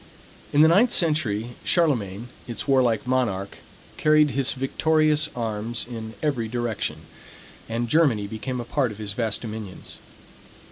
In the ninth century Charlemagne, its warlike monarch, carried his victorious arms in every direction; and Germany became a part of his vast dominions.